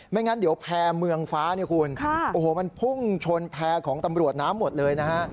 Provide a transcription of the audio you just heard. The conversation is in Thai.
งั้นเดี๋ยวแพร่เมืองฟ้าเนี่ยคุณโอ้โหมันพุ่งชนแพร่ของตำรวจน้ำหมดเลยนะฮะ